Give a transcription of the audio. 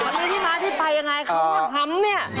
อ๋อนี่มาที่ไปยังไงเขาเรียกหำนี่